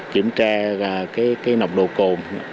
kiểm tra cái nồng độ cồn